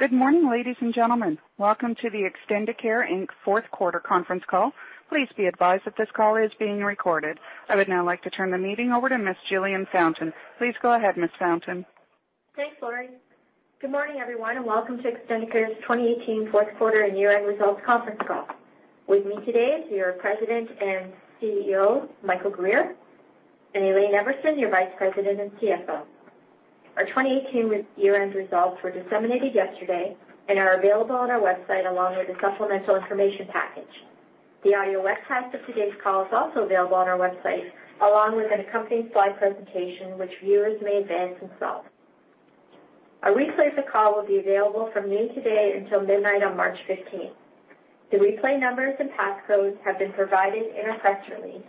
Good morning, ladies and gentlemen. Welcome to the Extendicare Inc. fourth quarter conference call. Please be advised that this call is being recorded. I would now like to turn the meeting over to Ms. Jillian Fountain. Please go ahead, Ms. Fountain. Thanks, Lorie. Good morning, everyone, and welcome to Extendicare's 2018 fourth quarter and year-end results conference call. With me today is your President and CEO, Michael Guerriere, and Elaine Everson, your Vice President and CFO. Our 2018 year-end results were disseminated yesterday and are available on our website, along with the supplemental information package. The audio webcast of today's call is also available on our website, along with an accompanying slide presentation, which viewers may advance themselves. A replay of the call will be available from noon today until midnight on March 15th. The replay numbers and passcodes have been provided in our press release.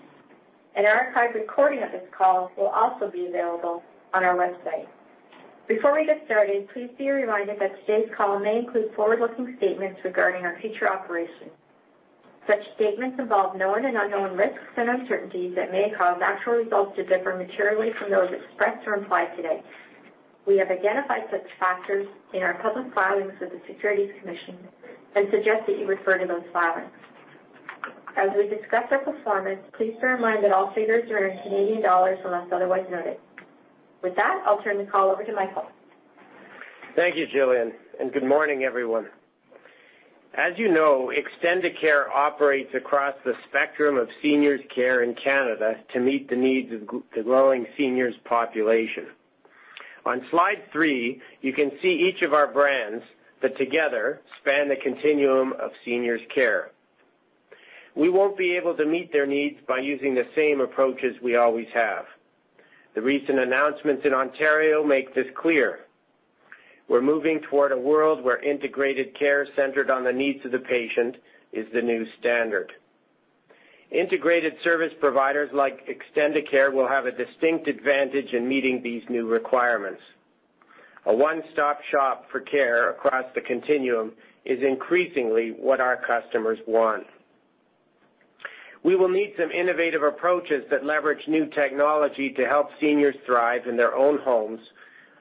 An archived recording of this call will also be available on our website. Before we get started, please be reminded that today's call may include forward-looking statements regarding our future operations. Such statements involve known and unknown risks and uncertainties that may cause actual results to differ materially from those expressed or implied today. We have identified such factors in our public filings with the Securities Commission and suggest that you refer to those filings. As we discuss our performance, please bear in mind that all figures are in Canadian dollars, unless otherwise noted. With that, I'll turn the call over to Michael. Thank you, Jillian, and good morning, everyone. As you know, Extendicare operates across the spectrum of seniors care in Canada to meet the needs of the growing seniors population. On slide three, you can see each of our brands that together span the continuum of seniors care. We won't be able to meet their needs by using the same approaches we always have. The recent announcements in Ontario make this clear. We're moving toward a world where integrated care centered on the needs of the patient is the new standard. Integrated service providers like Extendicare will have a distinct advantage in meeting these new requirements. A one-stop shop for care across the continuum is increasingly what our customers want. We will need some innovative approaches that leverage new technology to help seniors thrive in their own homes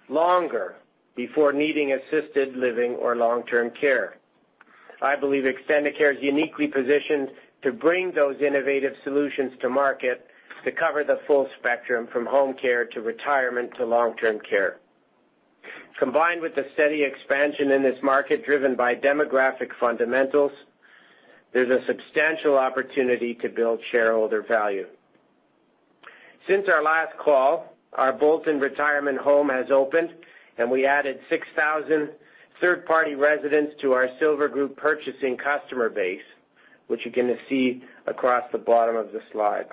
longer before needing assisted living or long-term care. I believe Extendicare is uniquely positioned to bring those innovative solutions to market to cover the full spectrum, from home care to retirement to long-term care. Combined with the steady expansion in this market, driven by demographic fundamentals, there is a substantial opportunity to build shareholder value. Since our last call, our Bolton Retirement Home has opened, and we added 6,000 third-party residents to our Silver Group Purchasing customer base, which you are going to see across the bottom of the slide.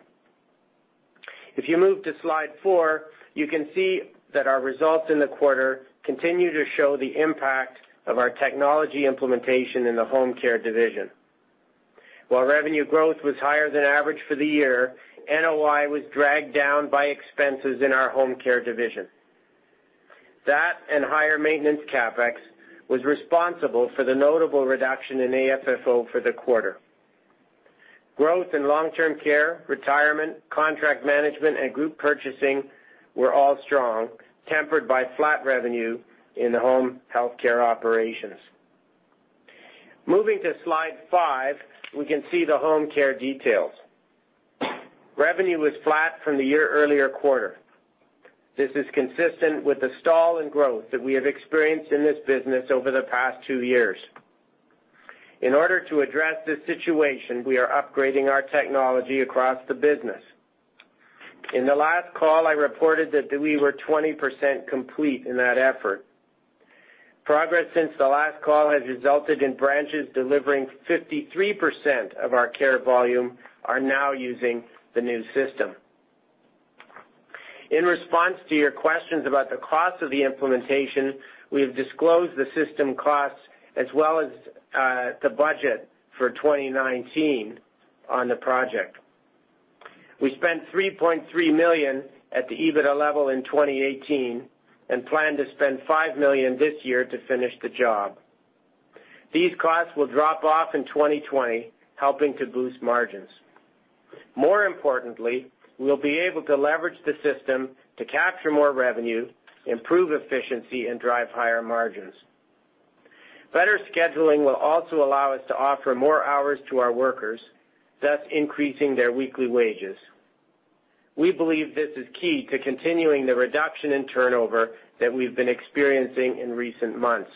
If you move to slide four, you can see that our results in the quarter continue to show the impact of our technology implementation in the home care division. While revenue growth was higher than average for the year, NOI was dragged down by expenses in our home care division. That, and higher maintenance CapEx, was responsible for the notable reduction in AFFO for the quarter. Growth in long-term care, retirement, contract management, and group purchasing were all strong, tempered by flat revenue in the home healthcare operations. Moving to slide five, we can see the home care details. Revenue was flat from the year earlier quarter. This is consistent with the stall in growth that we have experienced in this business over the past two years. In order to address this situation, we are upgrading our technology across the business. In the last call, I reported that we were 20% complete in that effort. Progress since the last call has resulted in branches delivering 53% of our care volume are now using the new system. In response to your questions about the cost of the implementation, we have disclosed the system cost as well as the budget for 2019 on the project. We spent 3.3 million at the EBITDA level in 2018 and plan to spend 5 million this year to finish the job. These costs will drop off in 2020, helping to boost margins. More importantly, we will be able to leverage the system to capture more revenue, improve efficiency, and drive higher margins. Better scheduling will also allow us to offer more hours to our workers, thus increasing their weekly wages. We believe this is key to continuing the reduction in turnover that we have been experiencing in recent months.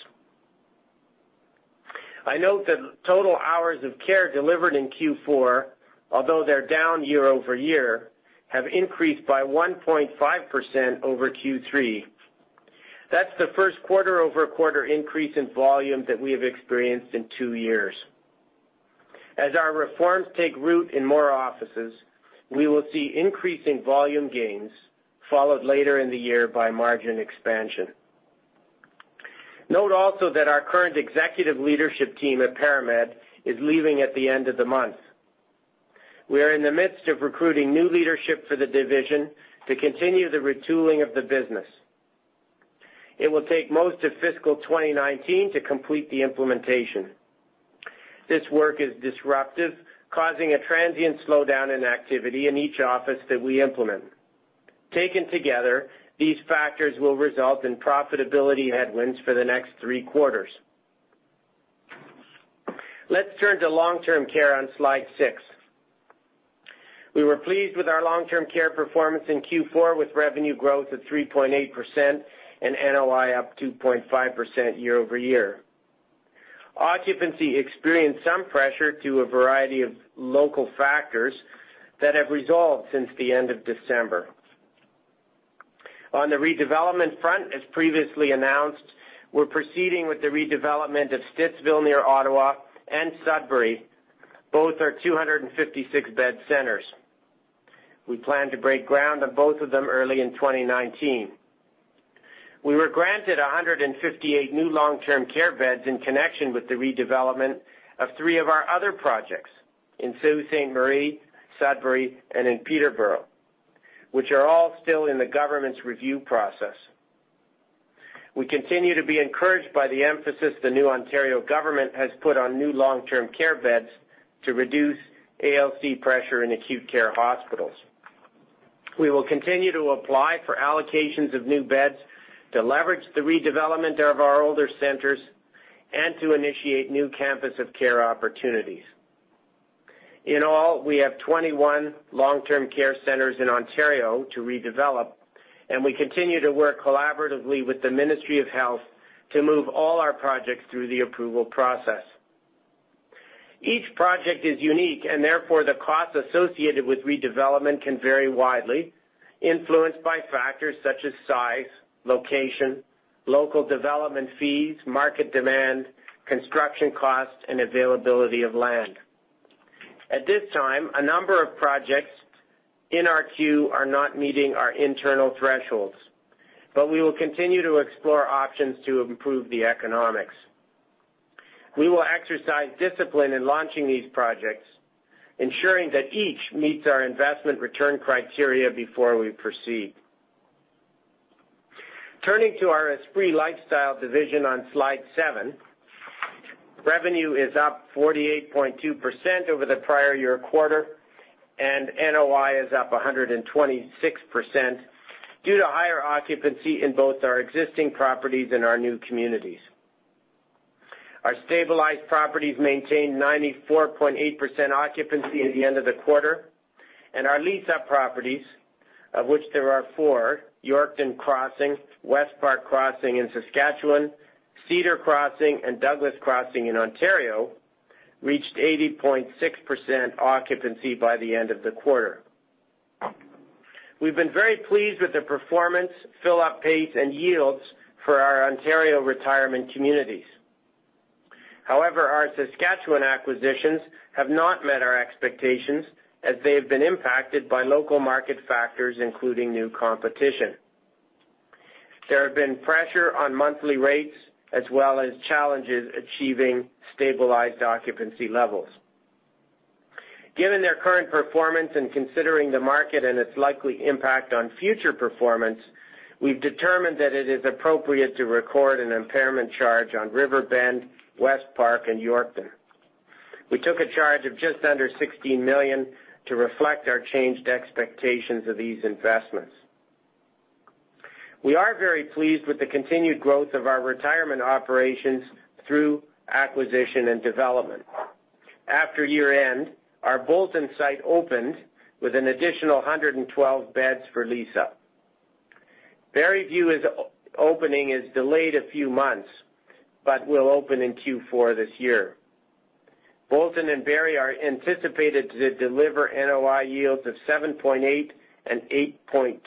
I note that total hours of care delivered in Q4, although they are down year-over-year, have increased by 1.5% over Q3. That is the first quarter-over-quarter increase in volume that we have experienced in two years. As our reforms take root in more offices, we will see increasing volume gains, followed later in the year by margin expansion. Note also that our current executive leadership team at ParaMed is leaving at the end of the month. We are in the midst of recruiting new leadership for the division to continue the retooling of the business. It will take most of fiscal 2019 to complete the implementation. This work is disruptive, causing a transient slowdown in activity in each office that we implement. Taken together, these factors will result in profitability headwinds for the next three quarters. Let's turn to long-term care on slide six. We were pleased with our long-term care performance in Q4, with revenue growth of 3.8% and NOI up 2.5% year-over-year. Occupancy experienced some pressure due to a variety of local factors that have resolved since the end of December. On the redevelopment front, as previously announced, we are proceeding with the redevelopment of Stittsville, near Ottawa, and Sudbury. Both are 256-bed centers. We plan to break ground on both of them early in 2019. We were granted 158 new long-term care beds in connection with the redevelopment of three of our other projects in Sault Ste. Marie, Sudbury, and in Peterborough, which are all still in the government's review process. We continue to be encouraged by the emphasis the new Ontario government has put on new long-term care beds to reduce ALC pressure in acute care hospitals. We will continue to apply for allocations of new beds to leverage the redevelopment of our older centers and to initiate new campus of care opportunities. In all, we have 21 long-term care centers in Ontario to redevelop, and we continue to work collaboratively with the Ministry of Health to move all our projects through the approval process. Each project is unique. Therefore, the costs associated with redevelopment can vary widely, influenced by factors such as size, location, local development fees, market demand, construction cost, and availability of land. At this time, a number of projects in our queue are not meeting our internal thresholds. We will continue to explore options to improve the economics. We will exercise discipline in launching these projects, ensuring that each meets our investment return criteria before we proceed. Turning to our Esprit Lifestyle division on slide seven, revenue is up 48.2% over the prior year quarter, and NOI is up 126% due to higher occupancy in both our existing properties and our new communities. Our stabilized properties maintained 94.8% occupancy at the end of the quarter and our lease-up properties, of which there are four, Yorkton Crossing, Westpark Crossing in Saskatchewan, Cedar Crossing, and Douglas Crossing in Ontario, reached 80.6% occupancy by the end of the quarter. We've been very pleased with the performance, fill-up pace, and yields for our Ontario retirement communities. However, our Saskatchewan acquisitions have not met our expectations, as they have been impacted by local market factors, including new competition. There have been pressure on monthly rates, as well as challenges achieving stabilized occupancy levels. Given their current performance and considering the market and its likely impact on future performance, we've determined that it is appropriate to record an impairment charge on Riverbend, Westpark, and Yorkton. We took a charge of just under 16 million to reflect our changed expectations of these investments. We are very pleased with the continued growth of our retirement operations through acquisition and development. After year-end, our Bolton site opened with an additional 112 beds for lease-up. Barrieview's opening is delayed a few months but will open in Q4 this year. Bolton and Barrie are anticipated to deliver NOI yields of 7.8% and 8.2%,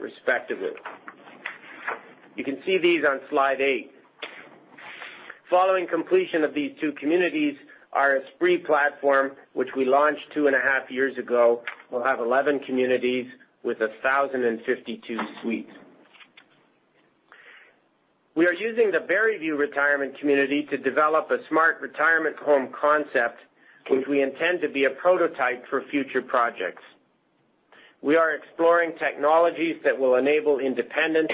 respectively. You can see these on slide eight. Following completion of these two communities, our Esprit platform, which we launched two and a half years ago, will have 11 communities with 1,052 suites. We are using the Barrieview Retirement Community to develop a smart retirement home concept, which we intend to be a prototype for future projects. We are exploring technologies that will enable independence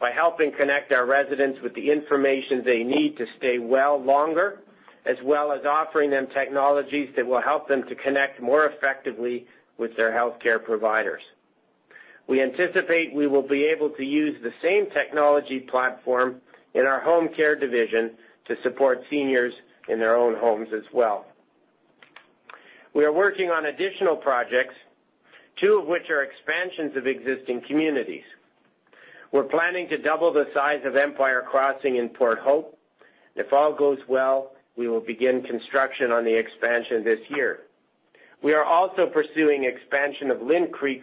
by helping connect our residents with the information they need to stay well longer, as well as offering them technologies that will help them to connect more effectively with their healthcare providers. We anticipate we will be able to use the same technology platform in our home care division to support seniors in their own homes as well. We are working on additional projects, two of which are expansions of existing communities. We are planning to double the size of Empire Crossing in Port Hope. If all goes well, we will begin construction on the expansion this year. We are also pursuing expansion of Lynde Creek,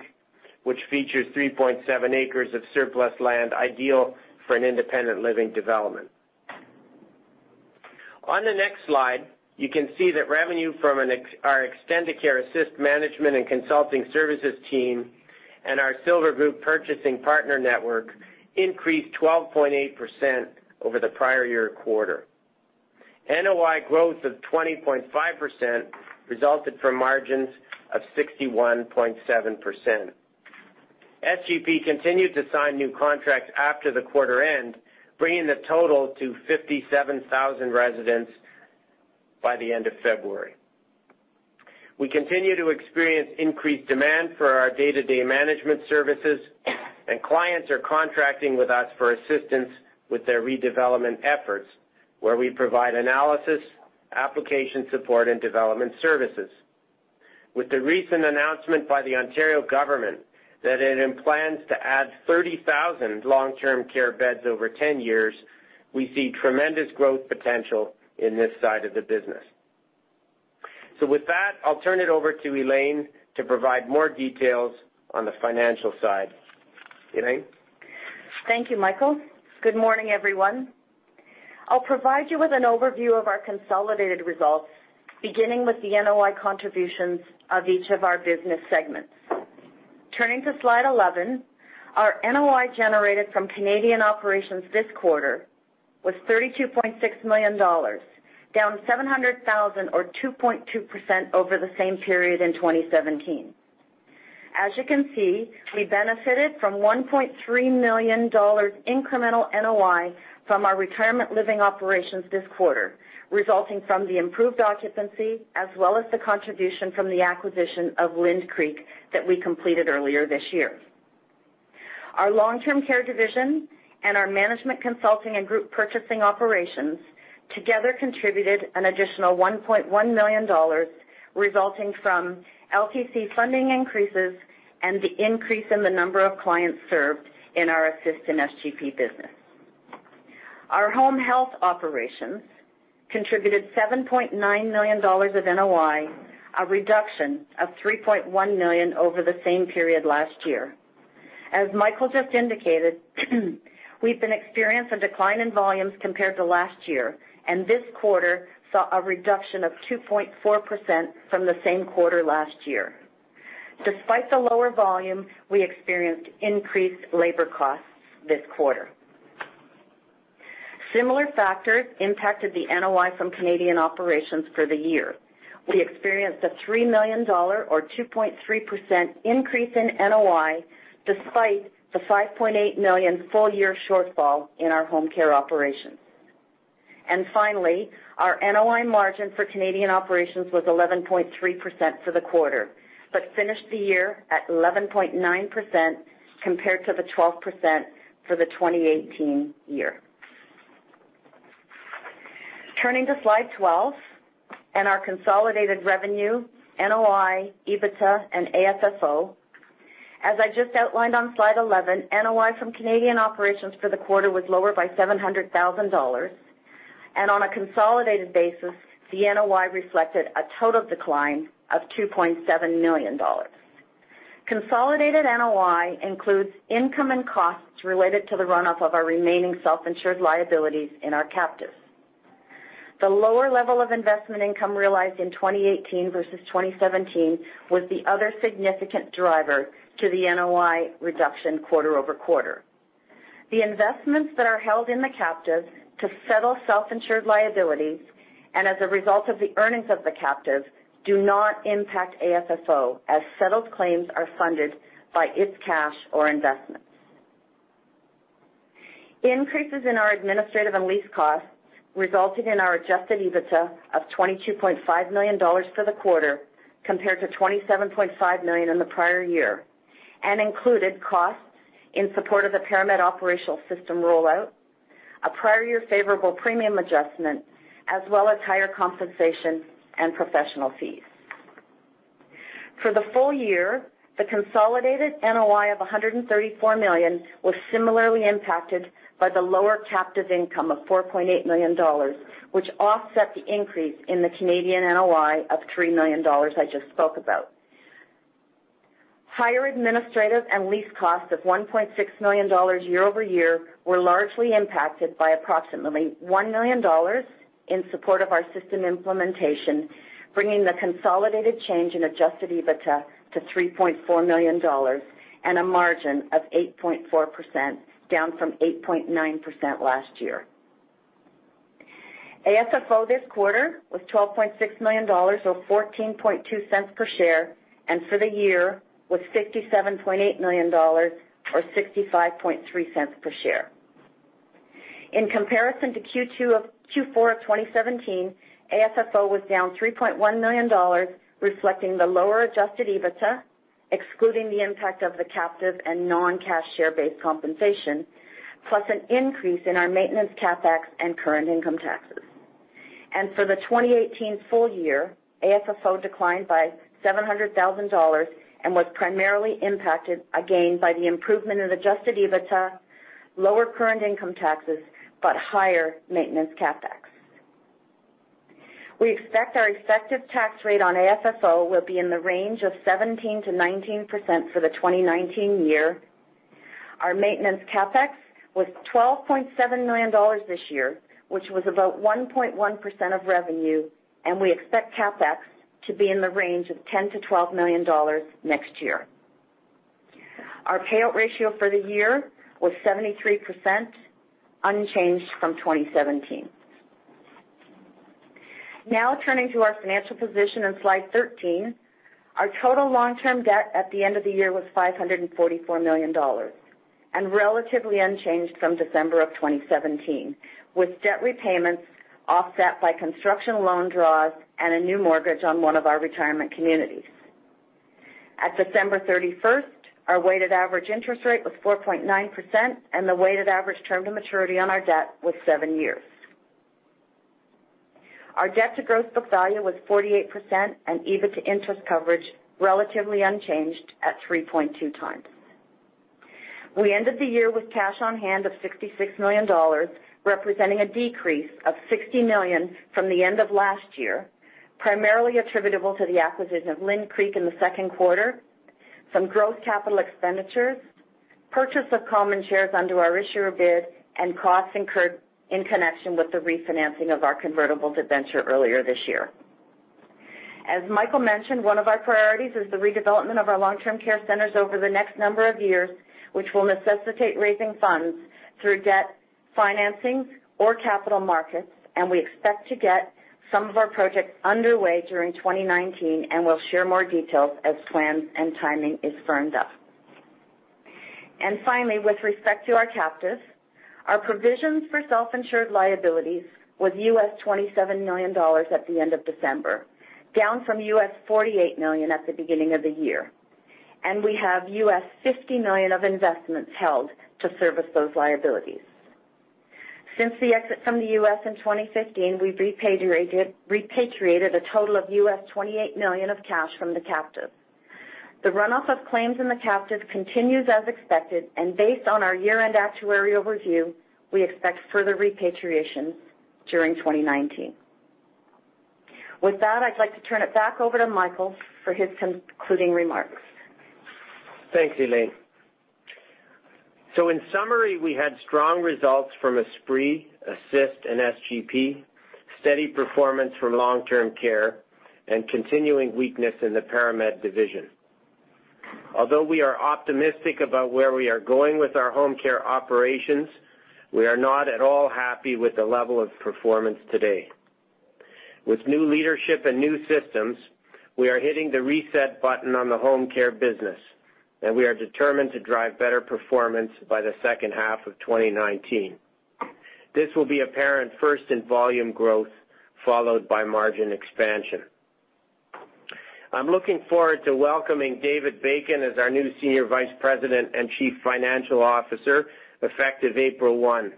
which features 3.7 acres of surplus land ideal for an independent living development. On the next slide, you can see that revenue from our Extendicare Assist management and consulting services team and our Silver Group Purchasing Partner Network increased 12.8% over the prior year quarter. NOI growth of 20.5% resulted from margins of 61.7%. SGP continued to sign new contracts after the quarter end, bringing the total to 57,000 residents by the end of February. We continue to experience increased demand for our day-to-day management services, and clients are contracting with us for assistance with their redevelopment efforts, where we provide analysis, application support, and development services. With the recent announcement by the Ontario government that it plans to add 30,000 long-term care beds over 10 years, we see tremendous growth potential in this side of the business. With that, I will turn it over to Elaine to provide more details on the financial side. Elaine? Thank you, Michael. Good morning, everyone. I will provide you with an overview of our consolidated results, beginning with the NOI contributions of each of our business segments. Turning to slide 11, our NOI generated from Canadian operations this quarter was 32.6 million dollars, down 700,000 or 2.2% over the same period in 2017. As you can see, we benefited from 1.3 million dollars incremental NOI from our retirement living operations this quarter, resulting from the improved occupancy as well as the contribution from the acquisition of Lynde Creek that we completed earlier this year. Our long-term care division and our management consulting and group purchasing operations together contributed an additional 1.1 million dollars resulting from LTC funding increases and the increase in the number of clients served in our Assist and SGP business. Our home health operations contributed 7.9 million dollars of NOI, a reduction of 3.1 million over the same period last year. As Michael just indicated, we have been experiencing a decline in volumes compared to last year, this quarter saw a reduction of 2.4% from the same quarter last year. Despite the lower volume, we experienced increased labor costs this quarter. Similar factors impacted the NOI from Canadian operations for the year. We experienced a 3 million dollar or 2.3% increase in NOI despite the 5.8 million full-year shortfall in our home care operations. Finally, our NOI margin for Canadian operations was 11.3% for the quarter, but finished the year at 11.9% compared to the 12% for the 2018 year. Turning to slide 12 and our consolidated revenue, NOI, EBITDA, and AFFO. As I just outlined on slide 11, NOI from Canadian operations for the quarter was lower by 700,000 dollars, on a consolidated basis, the NOI reflected a total decline of 2.7 million dollars. Consolidated NOI includes income and costs related to the runoff of our remaining self-insured liabilities in our captive. The lower level of investment income realized in 2018 versus 2017 was the other significant driver to the NOI reduction quarter-over-quarter. The investments that are held in the captive to settle self-insured liabilities and as a result of the earnings of the captive, do not impact AFFO as settled claims are funded by its cash or investments. Increases in our administrative and lease costs resulted in our adjusted EBITDA of 22.5 million dollars for the quarter, compared to 27.5 million in the prior year, and included costs in support of the ParaMed operational system rollout, a prior year favorable premium adjustment, as well as higher compensation and professional fees. For the full year, the consolidated NOI of 134 million was similarly impacted by the lower captive income of 4.8 million dollars, which offset the increase in the Canadian NOI of 3 million dollars I just spoke about. Higher administrative and lease costs of 1.6 million dollars year-over-year were largely impacted by approximately 1 million dollars in support of our system implementation, bringing the consolidated change in adjusted EBITDA to 3.4 million dollars and a margin of 8.4%, down from 8.9% last year. AFFO this quarter was 12.6 million dollars or 0.142 per share, and for the year was 57.8 million dollars or 0.653 per share. In comparison to Q4 of 2017, AFFO was down 3.1 million dollars, reflecting the lower adjusted EBITDA, excluding the impact of the captive and non-cash share-based compensation, plus an increase in our maintenance CapEx and current income taxes. For the 2018 full year, AFFO declined by 700,000 dollars and was primarily impacted again by the improvement in adjusted EBITDA, lower current income taxes, but higher maintenance CapEx. We expect our effective tax rate on AFFO will be in the range of 17%-19% for the 2019 year. Our maintenance CapEx was 12.7 million dollars this year, which was about 1.1% of revenue, and we expect CapEx to be in the range of 10 million-12 million dollars next year. Our payout ratio for the year was 73%, unchanged from 2017. Turning to our financial position on slide 13. Our total long-term debt at the end of the year was 544 million dollars, relatively unchanged from December of 2017, with debt repayments offset by construction loan draws and a new mortgage on one of our retirement communities. At December 31st, our weighted average interest rate was 4.9%, and the weighted average term to maturity on our debt was seven years. Our debt to gross book value was 48%, EBIT to interest coverage, relatively unchanged at 3.2 times. We ended the year with cash on hand of 66 million dollars, representing a decrease of 60 million from the end of last year, primarily attributable to the acquisition of Lynde Creek in the second quarter, from gross capital expenditures, purchase of common shares under our issuer bid, and costs incurred in connection with the refinancing of our convertible debenture earlier this year. As Michael mentioned, one of our priorities is the redevelopment of our long-term care centers over the next number of years, which will necessitate raising funds through debt financing or capital markets. We expect to get some of our projects underway during 2019. We'll share more details as plans and timing is firmed up. Finally, with respect to our captives, our provisions for self-insured liabilities was $27 million at the end of December, down from $48 million at the beginning of the year. We have $50 million of investments held to service those liabilities. Since the exit from the U.S. in 2015, we've repatriated a total of $28 million of cash from the captive. The runoff of claims in the captive continues as expected, and based on our year-end actuarial review, we expect further repatriations during 2019. With that, I'd like to turn it back over to Michael for his concluding remarks. Thanks, Elaine. In summary, we had strong results from Esprit, Assist, and SGP, steady performance from long-term care, and continuing weakness in the ParaMed division. Although we are optimistic about where we are going with our home care operations, we are not at all happy with the level of performance today. With new leadership and new systems, we are hitting the reset button on the home care business. We are determined to drive better performance by the second half of 2019. This will be apparent first in volume growth, followed by margin expansion. I'm looking forward to welcoming David Bacon as our new Senior Vice President and Chief Financial Officer, effective April 1.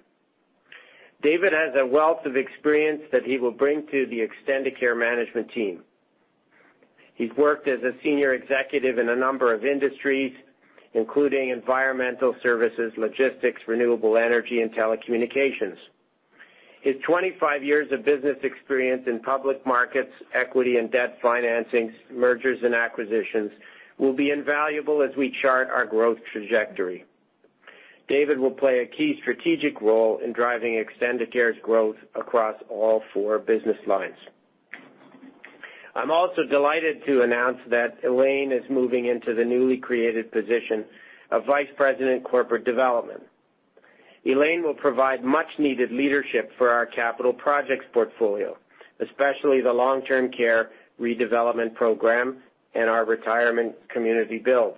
David has a wealth of experience that he will bring to the Extendicare management team. He's worked as a senior executive in a number of industries, including environmental services, logistics, renewable energy, and telecommunications. His 25 years of business experience in public markets, equity and debt financings, mergers and acquisitions will be invaluable as we chart our growth trajectory. David will play a key strategic role in driving Extendicare's growth across all four business lines. I'm also delighted to announce that Elaine is moving into the newly created position of Vice President, Corporate Development. Elaine will provide much needed leadership for our capital projects portfolio, especially the long-term care redevelopment program and our retirement community builds.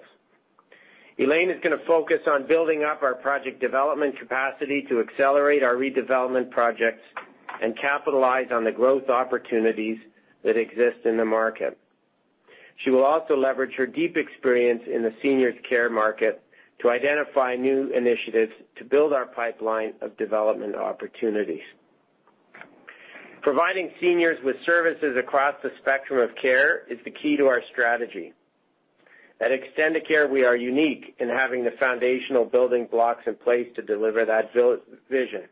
Elaine is going to focus on building up our project development capacity to accelerate our redevelopment projects and capitalize on the growth opportunities that exist in the market. She will also leverage her deep experience in the seniors care market to identify new initiatives to build our pipeline of development opportunities. Providing seniors with services across the spectrum of care is the key to our strategy. At Extendicare, we are unique in having the foundational building blocks in place to deliver that vision.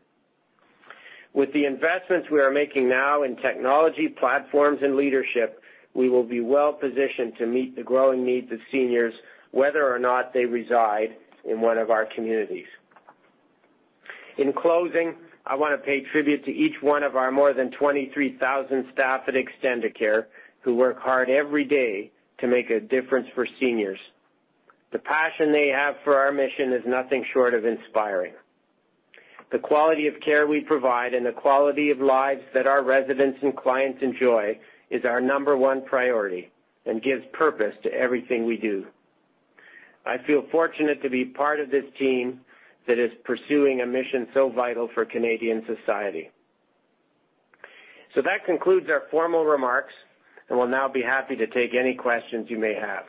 With the investments we are making now in technology, platforms, and leadership, we will be well positioned to meet the growing needs of seniors, whether or not they reside in one of our communities. In closing, I want to pay tribute to each one of our more than 23,000 staff at Extendicare, who work hard every day to make a difference for seniors. The passion they have for our mission is nothing short of inspiring. The quality of care we provide and the quality of lives that our residents and clients enjoy is our number one priority and gives purpose to everything we do. I feel fortunate to be part of this team that is pursuing a mission so vital for Canadian society. That concludes our formal remarks, and we'll now be happy to take any questions you may have.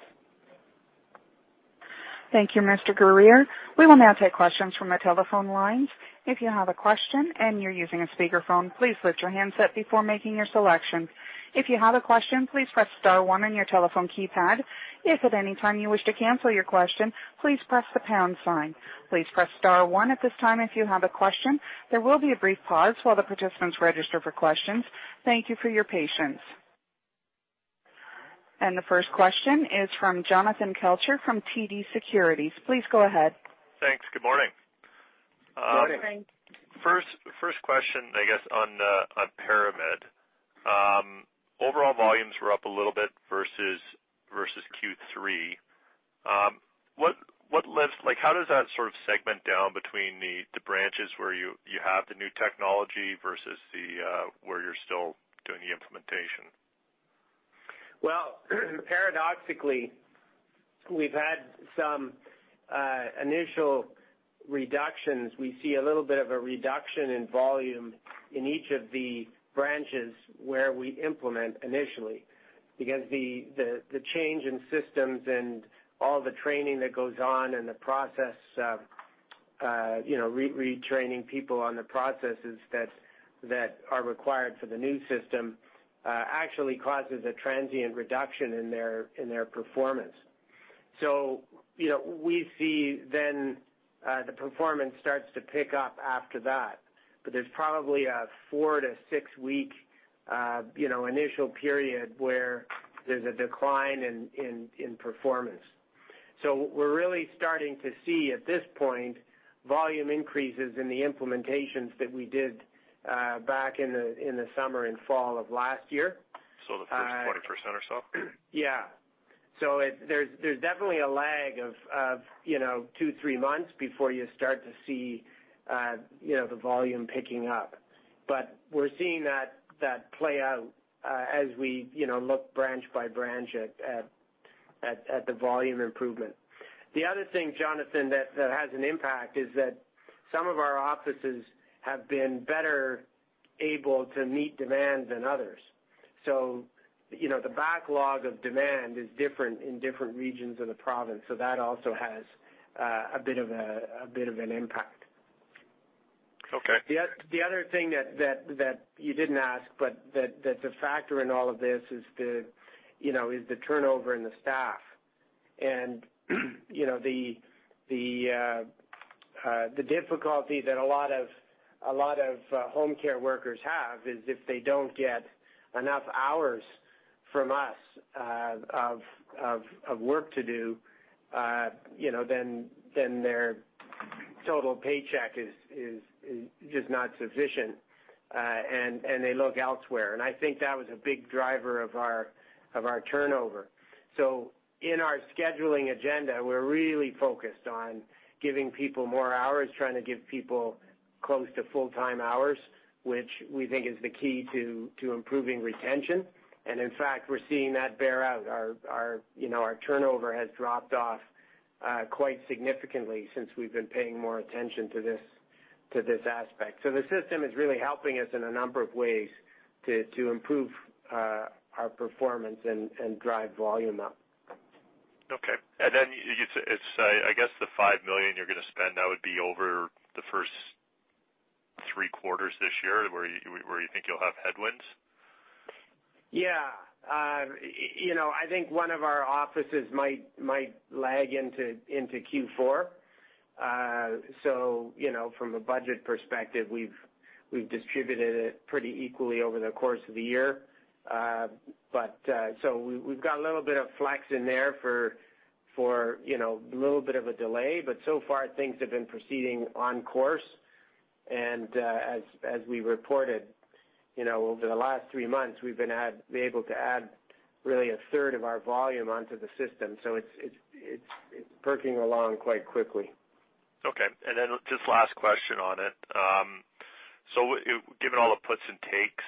Thank you, Mr. Guerriere. We will now take questions from the telephone lines. If you have a question and you're using a speakerphone, please lift your handset before making your selection. If you have a question, please press star one on your telephone keypad. If at any time you wish to cancel your question, please press the pound sign. Please press star one at this time if you have a question. There will be a brief pause while the participants register for questions. Thank you for your patience. The first question is from Jonathan Kelcher from TD Securities. Please go ahead. Thanks. Good morning. Good morning. First question, I guess, on ParaMed. Overall volumes were up a little bit versus Q3. How does that sort of segment down between the branches where you have the new technology versus where you're still doing the implementation? Well, paradoxically, we've had some initial reductions. We see a little bit of a reduction in volume in each of the branches where we implement initially because the change in systems and all the training that goes on and the process of retraining people on the processes that are required for the new system actually causes a transient reduction in their performance. We see then the performance starts to pick up after that, but there's probably a four to six week initial period where there's a decline in performance. We're really starting to see, at this point, volume increases in the implementations that we did back in the summer and fall of last year. The first 20% or so? Yeah. There's definitely a lag of two, three months before you start to see the volume picking up. We're seeing that play out as we look branch by branch at the volume improvement. The other thing, Jonathan, that has an impact is that some of our offices have been better able to meet demand than others. The backlog of demand is different in different regions of the province. That also has a bit of an impact. Okay. The other thing that you didn't ask but that's a factor in all of this is the turnover in the staff. The difficulty that a lot of home care workers have is if they don't get enough hours from us of work to do then their total paycheck is just not sufficient, and they look elsewhere. I think that was a big driver of our turnover. In our scheduling agenda, we're really focused on giving people more hours, trying to give people close to full-time hours, which we think is the key to improving retention. In fact, we're seeing that bear out. Our turnover has dropped off quite significantly since we've been paying more attention to this aspect. The system is really helping us in a number of ways to improve our performance and drive volume up. Okay. Then I guess the 5 million you're going to spend, that would be over the first three quarters this year where you think you'll have headwinds? Yeah. I think one of our offices might lag into Q4. From a budget perspective, we've distributed it pretty equally over the course of the year. We've got a little bit of flex in there for a little bit of a delay, but so far things have been proceeding on course. As we reported over the last three months, we've been able to add really a third of our volume onto the system. It's perking along quite quickly. Okay. Just last question on it. Given all the puts and takes,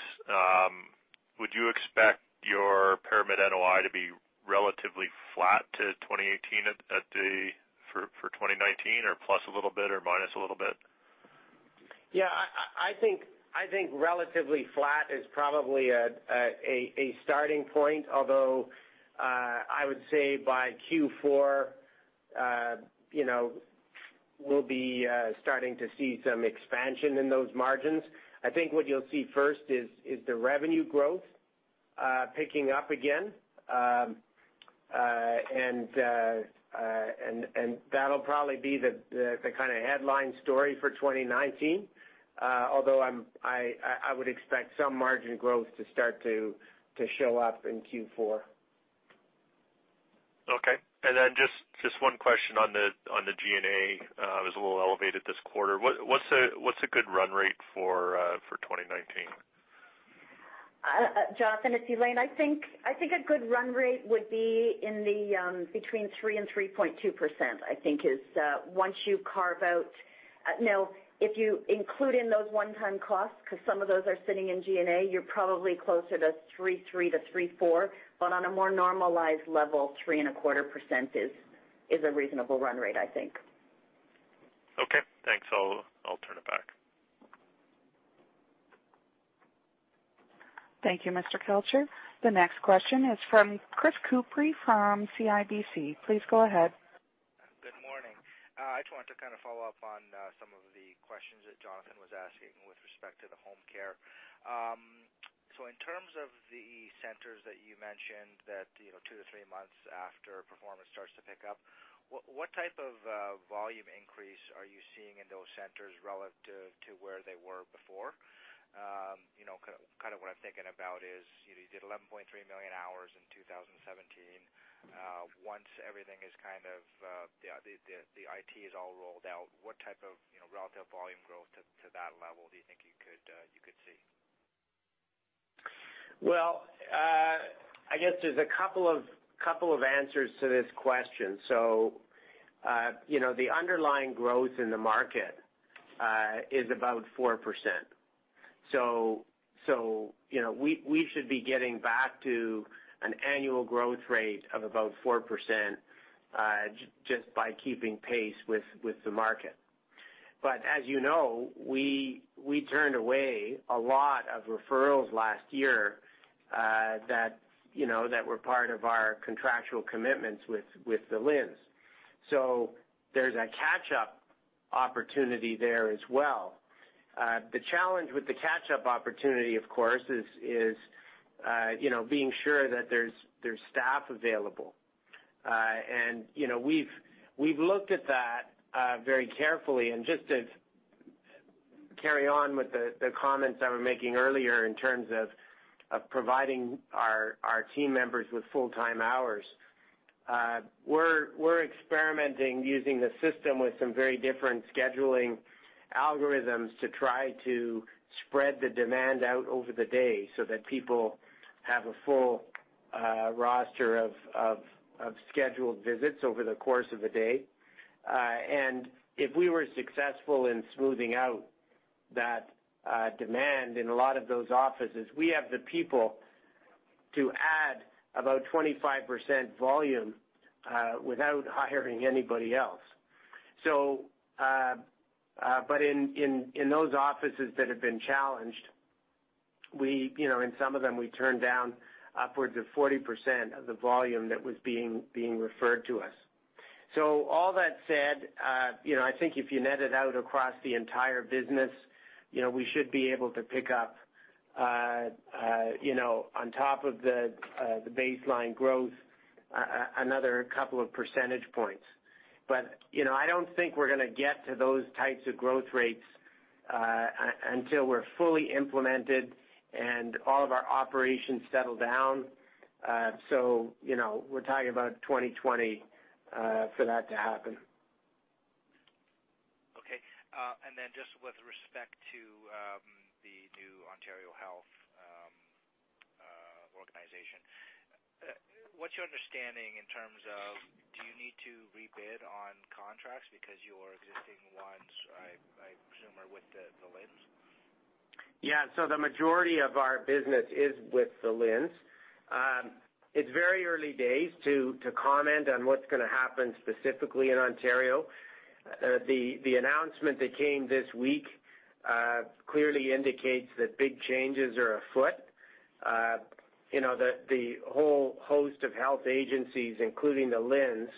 would you expect your ParaMed NOI to be relatively flat to 2018 for 2019 or plus a little bit or minus a little bit? Yeah, I think relatively flat is probably a starting point, although I would say by Q4 we'll be starting to see some expansion in those margins. I think what you'll see first is the revenue growth picking up again. That'll probably be the headline story for 2019, although I would expect some margin growth to start to show up in Q4. Okay. Just one question on the G&A. It was a little elevated this quarter. What's a good run rate for 2019? Jonathan, it's Elaine. I think a good run rate would be between 3% and 3.2%, I think is once you carve out no. If you include in those one-time costs, because some of those are sitting in G&A, you're probably closer to 3.3% to 3.4%, but on a more normalized level, 3.25% is a reasonable run rate, I think. Okay, thanks. I'll turn it back. Thank you, Mr. Kelcher. The next question is from Chris Couprie from CIBC. Please go ahead. Good morning. I just wanted to kind of follow up on some of the questions that Jonathan was asking with respect to the home care. In terms of the centers that you mentioned that two to three months after performance starts to pick up, what type of volume increase are you seeing in those centers relative to where they were before? Kind of what I'm thinking about is you did 11.3 million hours in 2017. Once everything is kind of the IT is all rolled out, what type of relative volume growth to that level do you think you could see? I guess there's 2 answers to this question. The underlying growth in the market is about 4%. We should be getting back to an annual growth rate of about 4% just by keeping pace with the market. As you know, we turned away a lot of referrals last year that were part of our contractual commitments with the LHINs. There's a catch-up opportunity there as well. The challenge with the catch-up opportunity, of course, is being sure that there's staff available. We've looked at that very carefully, just to carry on with the comments I was making earlier in terms of providing our team members with full-time hours. We're experimenting using the system with some very different scheduling algorithms to try to spread the demand out over the day so that people have a full roster of scheduled visits over the course of a day. If we were successful in smoothing out that demand in a lot of those offices, we have the people to add about 25% volume without hiring anybody else. In those offices that have been challenged, in some of them, we turned down upwards of 40% of the volume that was being referred to us. All that said, I think if you net it out across the entire business, we should be able to pick up, on top of the baseline growth, another 2 percentage points. I don't think we're going to get to those types of growth rates until we're fully implemented and all of our operations settle down. We're talking about 2020 for that to happen. Just with respect to the new Ontario Health organization, what's your understanding in terms of do you need to rebid on contracts because your existing ones, I presume, are with the LHINs? The majority of our business is with the LHINs. It's very early days to comment on what's going to happen specifically in Ontario. The announcement that came this week clearly indicates that big changes are afoot. The whole host of health agencies, including the LHINs,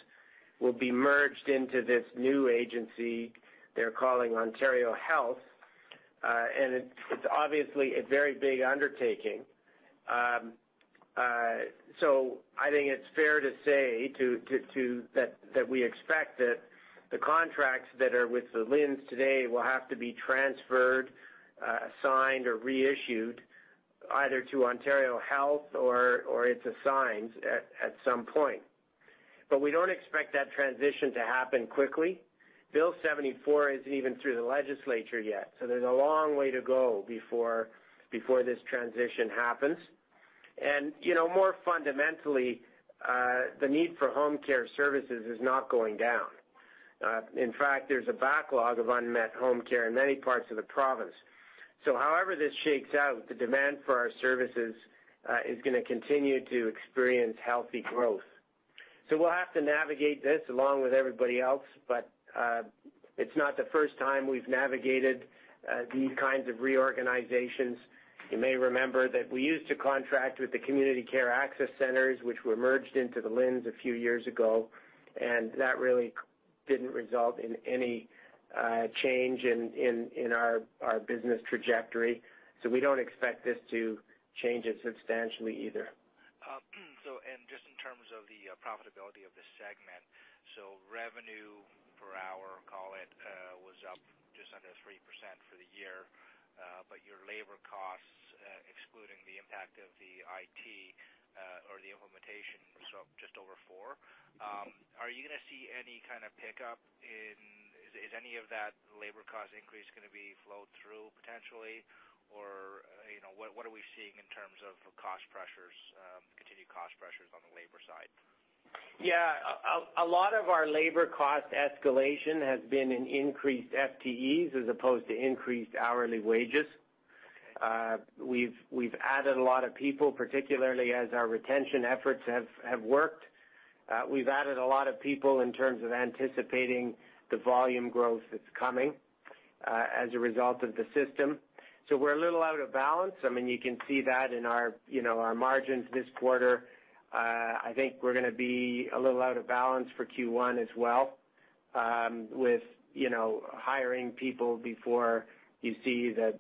will be merged into this new agency they're calling Ontario Health, it's obviously a very big undertaking. I think it's fair to say that we expect that the contracts that are with the LHINs today will have to be transferred, assigned, or reissued either to Ontario Health or its assigns at some point. We don't expect that transition to happen quickly. Bill 74 isn't even through the legislature yet, there's a long way to go before this transition happens. More fundamentally, the need for home care services is not going down. In fact, there's a backlog of unmet home care in many parts of the province. However this shakes out, the demand for our services is going to continue to experience healthy growth. We'll have to navigate this along with everybody else, it's not the first time we've navigated these kinds of reorganizations. You may remember that we used to contract with the Community Care Access Centres, which were merged into the LHINs a few years ago, that really didn't result in any change in our business trajectory. We don't expect this to change it substantially either. Just in terms of the profitability of the segment, revenue per hour, call it, was up just under 3% for the year. Your labor costs excluding the impact of the IT or the implementation, just over 4%. Are you going to see any kind of pickup? Is any of that labor cost increase going to be flowed through potentially or what are we seeing in terms of continued cost pressures on the labor side? A lot of our labor cost escalation has been in increased FTEs as opposed to increased hourly wages. We've added a lot of people, particularly as our retention efforts have worked. We've added a lot of people in terms of anticipating the volume growth that's coming as a result of the system. We're a little out of balance. You can see that in our margins this quarter. I think we're going to be a little out of balance for Q1 as well with hiring people before you see the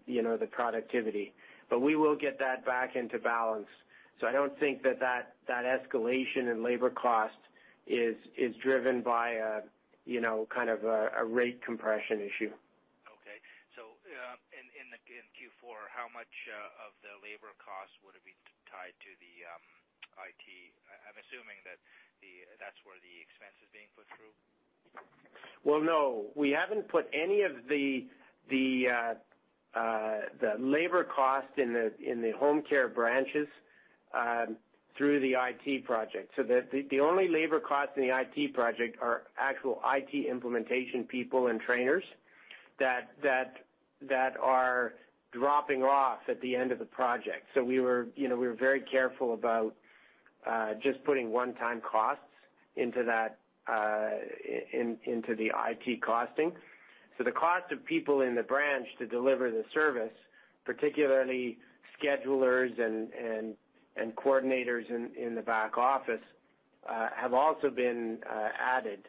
productivity. We will get that back into balance. I don't think that escalation in labor cost is driven by a rate compression issue. Okay. In Q4, how much of the labor cost would it be tied to the IT-I'm assuming that's where the expense is being put through? Well, no. We haven't put any of the labor cost in the home care branches through the IT project. The only labor costs in the IT project are actual IT implementation people and trainers that are dropping off at the end of the project. We were very careful about just putting one-time costs into the IT costing. The cost of people in the branch to deliver the service, particularly schedulers and coordinators in the back office, have also been added.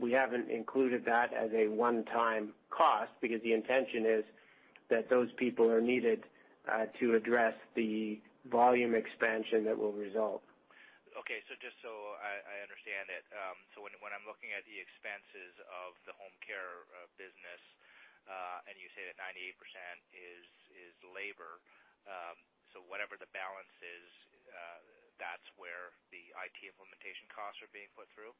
We haven't included that as a one-time cost because the intention is that those people are needed to address the volume expansion that will result. Okay. Just so I understand it, so when I'm looking at the expenses of the home care business, and you say that 98% is labor, so whatever the balance is, that's where the IT implementation costs are being put through?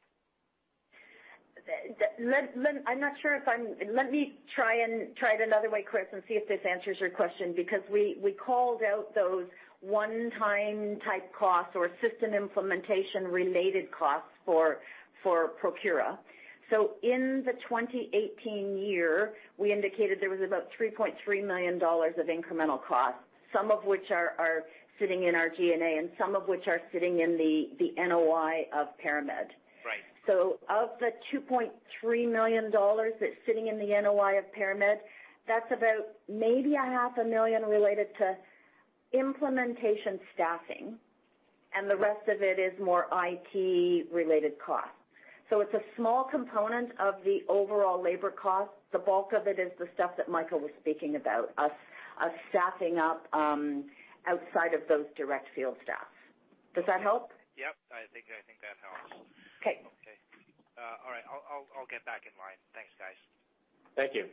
Let me try it another way, Chris, and see if this answers your question, because we called out those one-time type costs or system implementation related costs for Procura. In the 2018 year, we indicated there was about 3.3 million dollars of incremental costs, some of which are sitting in our G&A and some of which are sitting in the NOI of ParaMed. Right. Of the 2.3 million dollars that's sitting in the NOI of ParaMed, that's about maybe CAD half a million related to implementation staffing, and the rest of it is more IT related costs. It's a small component of the overall labor cost. The bulk of it is the stuff that Michael was speaking about, us staffing up outside of those direct field staff. Does that help? Yes. I think that helps. Okay. Okay. All right. I'll get back in line. Thanks, guys. Thank you.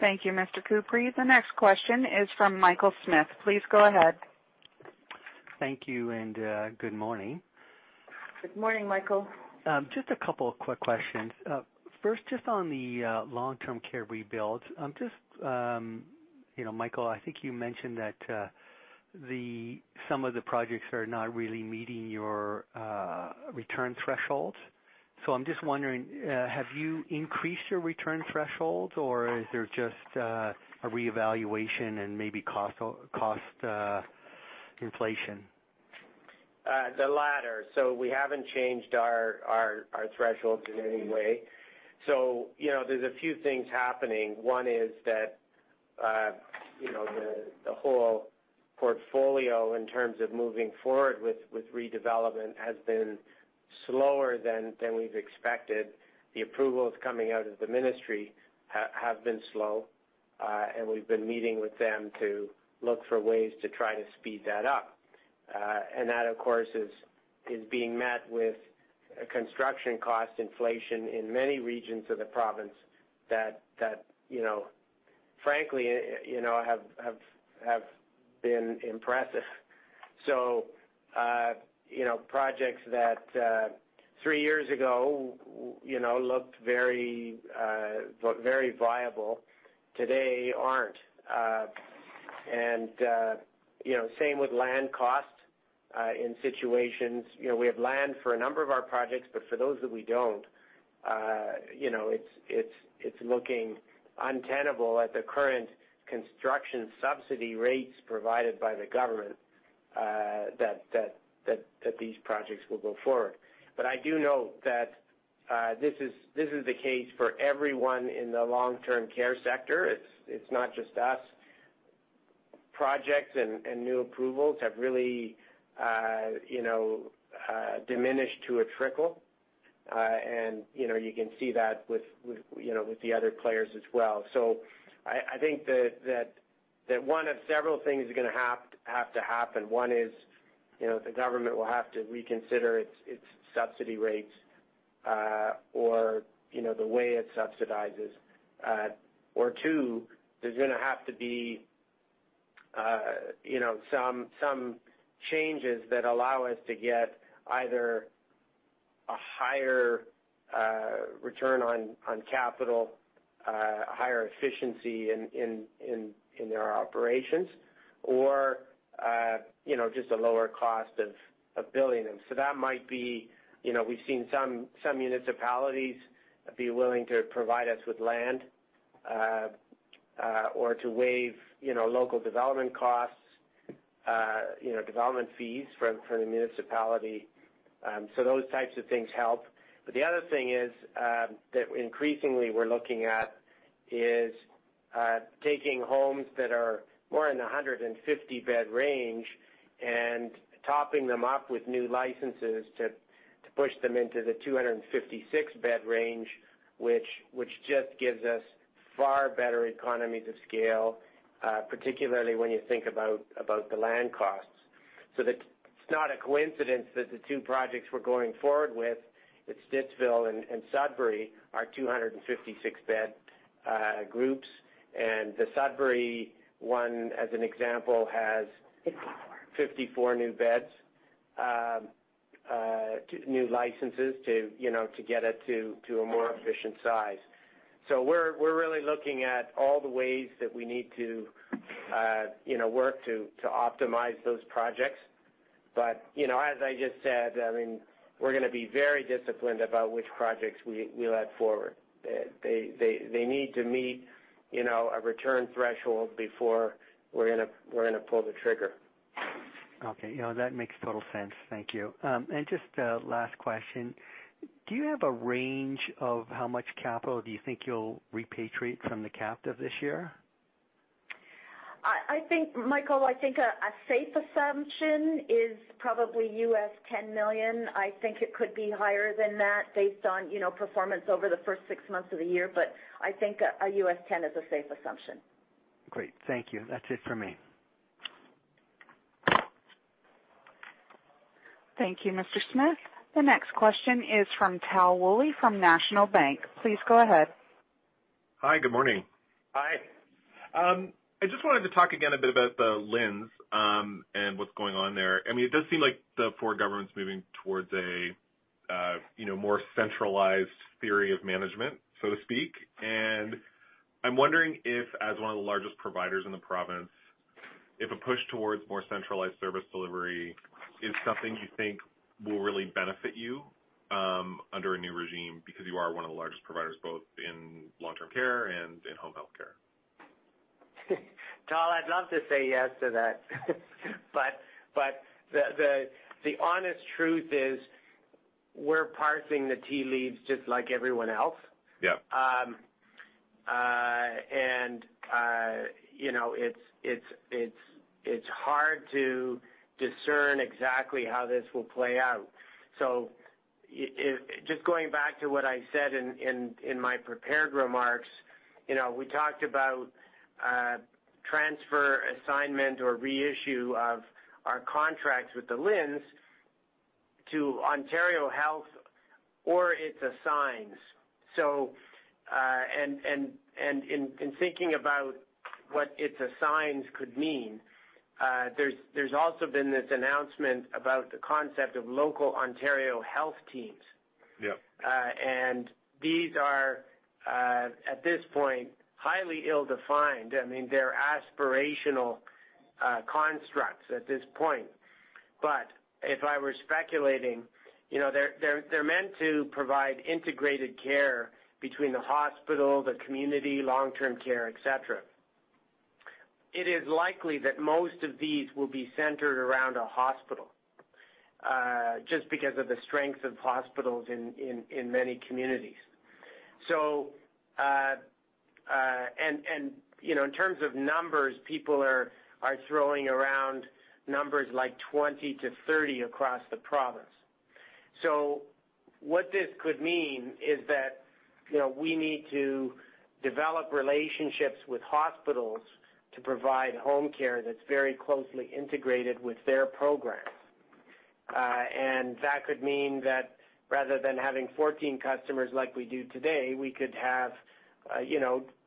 Thank you, Mr. Couprie. The next question is from Michael Smith. Please go ahead. Thank you. Good morning. Good morning, Michael. Just a couple of quick questions. First, just on the long-term care rebuild. Michael, I think you mentioned that some of the projects are not really meeting your return threshold. I'm just wondering, have you increased your return threshold, or is there just a reevaluation and maybe cost inflation? The latter. We haven't changed our thresholds in any way. There's a few things happening. One is that the whole portfolio in terms of moving forward with redevelopment has been slower than we've expected. The approvals coming out of the ministry have been slow, and we've been meeting with them to look for ways to try to speed that up. That, of course, is being met with construction cost inflation in many regions of the province that frankly, have been impressive. Projects that three years ago looked very viable, today aren't. Same with land costs in situations. We have land for a number of our projects, but for those that we don't, it's looking untenable at the current construction subsidy rates provided by the government that these projects will go forward. I do note that this is the case for everyone in the long-term care sector. It's not just us. Projects and new approvals have really diminished to a trickle. You can see that with the other players as well. I think that one of several things is going to have to happen. One is the government will have to reconsider its subsidy rates, or the way it subsidizes. Two, there's going to have to be some changes that allow us to get either a higher return on capital, a higher efficiency in their operations, or just a lower cost of building them. That might be, we've seen some municipalities be willing to provide us with land or to waive local development costs, development fees from the municipality. Those types of things help. The other thing is that increasingly we're looking at is taking homes that are more in the 150-bed range and topping them up with new licenses to push them into the 256-bed range, which just gives us far better economies of scale, particularly when you think about the land costs. It's not a coincidence that the two projects we're going forward with at Stittsville and Sudbury are 256-bed groups. The Sudbury one, as an example, has. 54 54 new beds, new licenses to get it to a more efficient size. We're really looking at all the ways that we need to work to optimize those projects. As I just said, we're going to be very disciplined about which projects we led forward. They need to meet a return threshold before we're going to pull the trigger. Okay. That makes total sense. Thank you. Just a last question. Do you have a range of how much capital do you think you'll repatriate from the captive this year? Michael, I think a safe assumption is probably US$10 million. I think it could be higher than that based on performance over the first six months of the year. I think a US$10 is a safe assumption. Great. Thank you. That's it for me. Thank you, Mr. Smith. The next question is from Tal Woolley from National Bank. Please go ahead. Hi, good morning. Hi. I just wanted to talk again a bit about the LHINs, and what's going on there. It does seem like the Doug Ford government's moving towards a more centralized theory of management, so to speak. I'm wondering if, as one of the largest providers in the province, if a push towards more centralized service delivery is something you think will really benefit you under a new regime because you are one of the largest providers, both in long-term care and in home health care. Tal, I'd love to say yes to that. The honest truth is we're parsing the tea leaves just like everyone else. Yep. It's hard to discern exactly how this will play out. Just going back to what I said in my prepared remarks, we talked about transfer, assignment, or reissue of our contracts with the LHINs to Ontario Health or its assigns. In thinking about what its assigns could mean, there's also been this announcement about the concept of local Ontario Health Teams. Yep. These are, at this point, highly ill-defined. They're aspirational constructs at this point. If I were speculating, they're meant to provide integrated care between the hospital, the community, long-term care, et cetera. It is likely that most of these will be centered around a hospital, just because of the strength of hospitals in many communities. In terms of numbers, people are throwing around numbers like 20 to 30 across the province. What this could mean is that we need to develop relationships with hospitals to provide home care that's very closely integrated with their programs. That could mean that rather than having 14 customers like we do today, we could have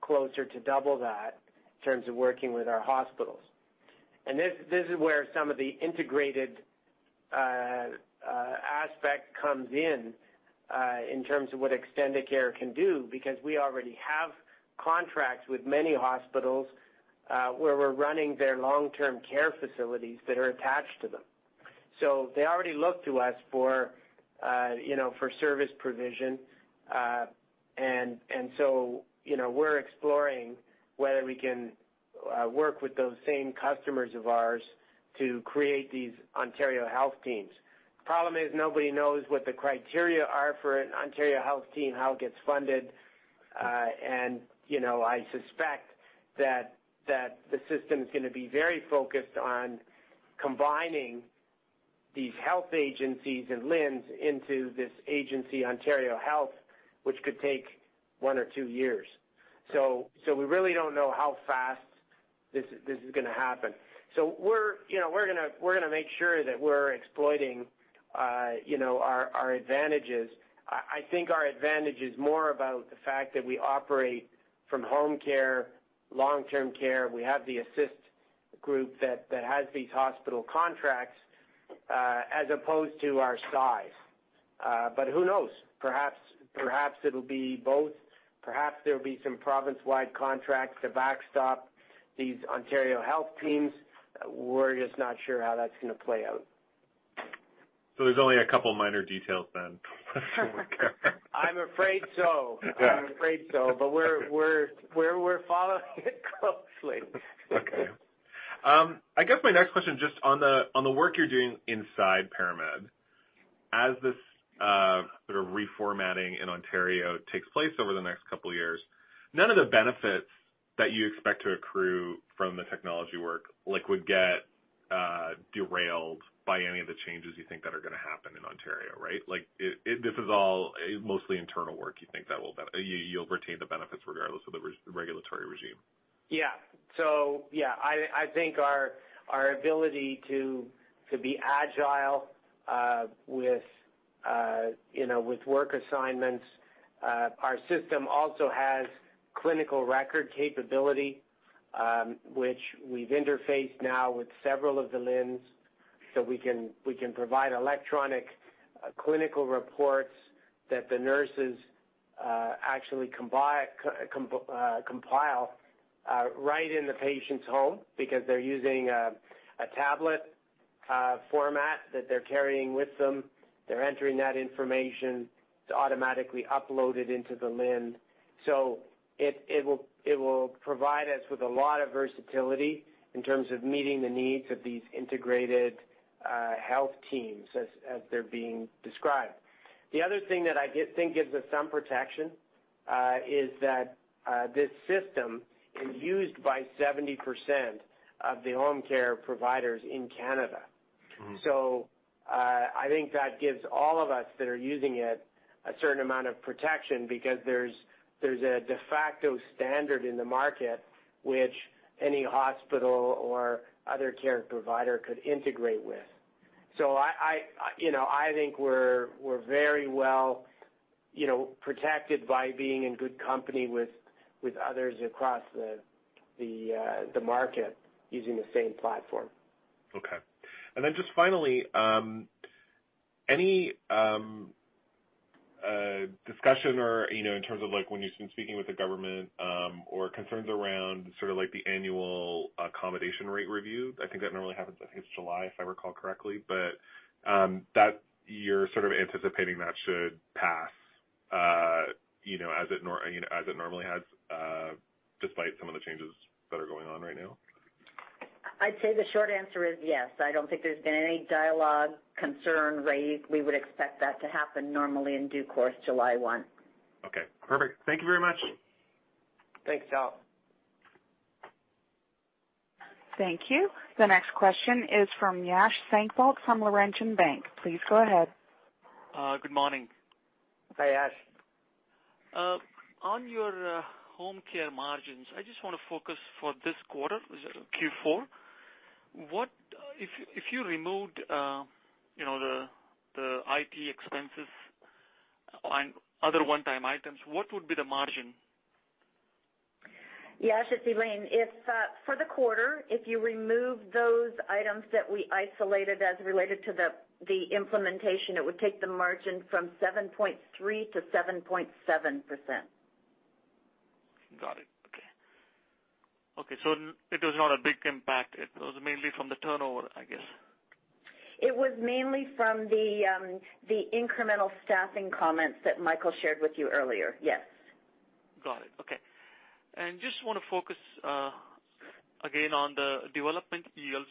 closer to double that in terms of working with our hospitals. This is where some of the integrated aspect comes in terms of what Extendicare can do, because we already have contracts with many hospitals, where we're running their long-term care facilities that are attached to them. They already look to us for service provision. We're exploring whether we can work with those same customers of ours to create these Ontario Health Teams. The problem is nobody knows what the criteria are for an Ontario Health Team, how it gets funded. I suspect that the system's going to be very focused on combining these health agencies and LHINs into this agency, Ontario Health, which could take one or two years. We really don't know how fast this is going to happen. We're going to make sure that we're exploiting our advantages. I think our advantage is more about the fact that we operate from home care, long-term care. We have the Assist group that has these hospital contracts, as opposed to our size. Who knows? Perhaps it'll be both. Perhaps there'll be some province-wide contracts to backstop these Ontario Health Teams. We're just not sure how that's going to play out. There's only a couple of minor details then. I'm afraid so. We're following it closely. Okay. I guess my next question, just on the work you're doing inside ParaMed. As this sort of reformatting in Ontario takes place over the next couple of years, none of the benefits that you expect to accrue from the technology work would get derailed by any of the changes you think that are going to happen in Ontario, right? This is all mostly internal work, you think that you'll retain the benefits regardless of the regulatory regime? Yeah. I think our ability to be agile. With work assignments. Our system also has clinical record capability, which we've interfaced now with several of the LHINs, so we can provide electronic clinical reports that the nurses actually compile right in the patient's home, because they're using a tablet format that they're carrying with them. They're entering that information. It's automatically uploaded into the LHIN. It will provide us with a lot of versatility in terms of meeting the needs of these integrated health teams as they're being described. The other thing that I think gives us some protection, is that this system is used by 70% of the home care providers in Canada. I think that gives all of us that are using it a certain amount of protection because there's a de facto standard in the market which any hospital or other care provider could integrate with. I think we're very well protected by being in good company with others across the market using the same platform. Okay. Then just finally, any discussion or in terms of when you've been speaking with the government, or concerns around sort of the annual accommodation rate review? I think that normally happens, I think it's July, if I recall correctly. That you're sort of anticipating that should pass as it normally has, despite some of the changes that are going on right now? I'd say the short answer is yes. I don't think there's been any dialogue, concern raised. We would expect that to happen normally in due course, July 1. Okay, perfect. Thank you very much. Thanks, Tal. Thank you. The next question is from Yash Sankpal from Laurentian Bank. Please go ahead. Good morning. Hi, Yash. On your home care margins, I just want to focus for this quarter, Q4. If you removed the IT expenses and other one-time items, what would be the margin? Yash, it's Elaine. For the quarter, if you remove those items that we isolated as related to the implementation, it would take the margin from 7.3% to 7.7%. Got it. Okay. It was not a big impact. It was mainly from the turnover, I guess. It was mainly from the incremental staffing comments that Michael shared with you earlier. Yes. Got it. Okay. Just want to focus, again, on the development yields.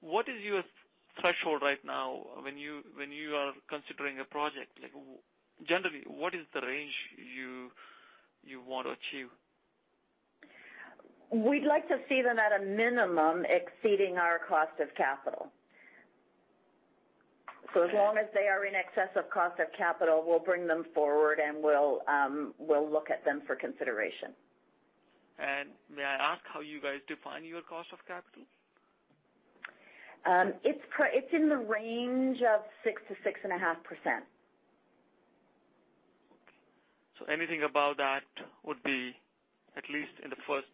What is your threshold right now when you are considering a project? Generally, what is the range you want to achieve? We'd like to see them, at a minimum, exceeding our cost of capital. As long as they are in excess of cost of capital, we'll bring them forward, and we'll look at them for consideration. May I ask how you guys define your cost of capital? It's in the range of 6%-6.5%. Okay. Anything above that would be at least in the first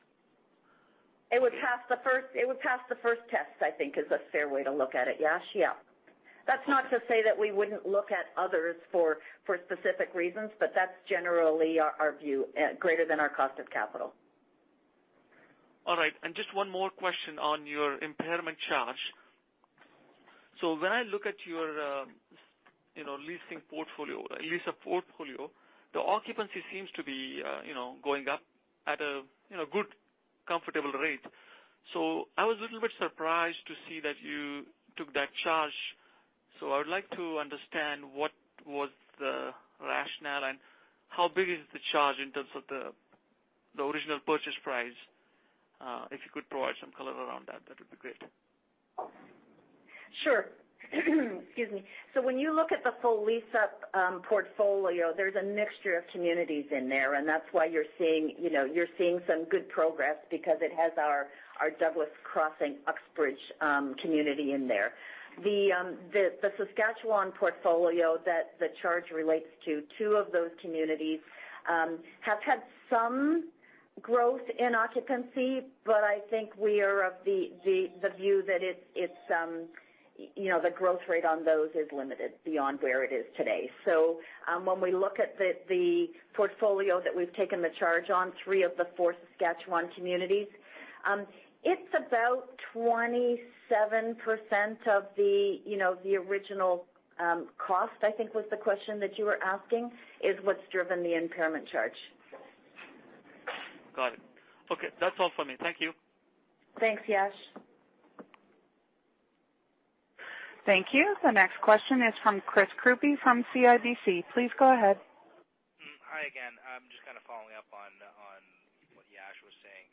It would pass the first test, I think is a fair way to look at it, Yash. Yeah. That's not to say that we wouldn't look at others for specific reasons, but that's generally our view, greater than our cost of capital. All right. Just one more question on your impairment charge. When I look at your leasing portfolio, the lease-up portfolio, the occupancy seems to be going up at a good, comfortable rate. I was a little bit surprised to see that you took that charge. I would like to understand what was the rationale, and how big is the charge in terms of the original purchase price? If you could provide some color around that would be great. Sure. Excuse me. When you look at the full lease-up portfolio, there's a mixture of communities in there, and that's why you're seeing some good progress because it has our Douglas Crossing Uxbridge community in there. The Saskatchewan portfolio that the charge relates to, two of those communities, have had some growth in occupancy. I think we are of the view that the growth rate on those is limited beyond where it is today. When we look at the portfolio that we've taken the charge on, three of the four Saskatchewan communities, it's about 27% of the original cost, I think was the question that you were asking, is what's driven the impairment charge. Got it. Okay. That's all for me. Thank you. Thanks, Yash. Thank you. The next question is from Chris Couprie from CIBC. Please go ahead. Hi again. I'm just following up on what Yash was saying.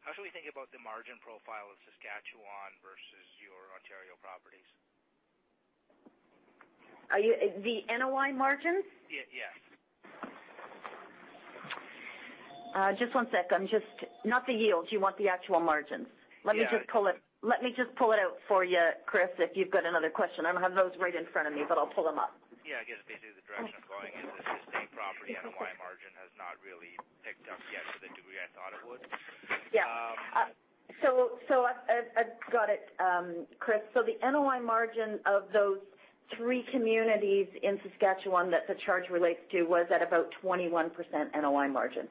How should we think about the margin profile of Saskatchewan versus your Ontario properties? The NOI margins? Yes. Just one sec. Not the yields, you want the actual margins? Yeah. Let me just pull it out for you, Chris, if you've got another question. I don't have those right in front of me, but I'll pull them up. Yeah. I guess, basically, the direction I'm going in with the same property NOI margin has not really picked up yet to the degree I thought it would. Yeah. I've got it, Chris. The NOI margin of those three communities in Saskatchewan that the charge relates to was at about 21% NOI margin.